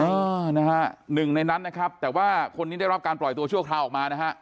เออนะฮะหนึ่งในนั้นนะครับแต่ว่าคนนี้ได้รับการปล่อยตัวชั่วคราวออกมานะฮะ